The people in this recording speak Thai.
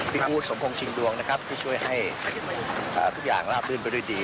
พูดสมพงษิงดวงนะครับที่ช่วยให้ทุกอย่างลาบลื่นไปด้วยดี